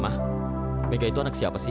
mah mega itu anak siapa sih